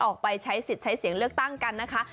ออกไปใช้สิทธิ์ใช้เสียงเลือกตั้งกันนะคะ